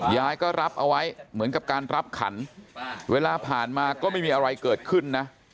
ยายก็รับเอาไว้เหมือนกับการรับขันเวลาผ่านมาก็ไม่มีอะไรเกิดขึ้นนะ